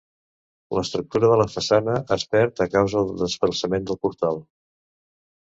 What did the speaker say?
L'estructura de la façana es perd a causa del desplaçament del portal.